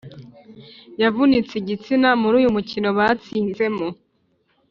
yavunitse igitsina muri uyu mukino batsinzemo